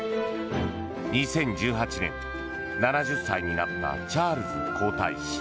２０１８年、７０歳になったチャールズ皇太子。